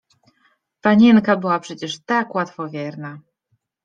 Panienka była przecież tak łatwowierna!